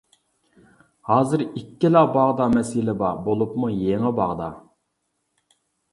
ھازىر ئىككىلا باغدا مەسىلە بار، بولۇپمۇ يېڭى باغدا.